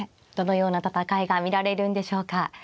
どのような戦いが見られるんでしょうか。